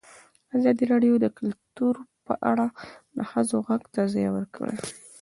ازادي راډیو د کلتور په اړه د ښځو غږ ته ځای ورکړی.